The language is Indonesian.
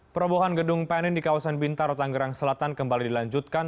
perobohan gedung panen di kawasan bintaro tanggerang selatan kembali dilanjutkan